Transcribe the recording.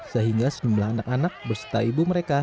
sehingga sejumlah anak anak berserta ibu mereka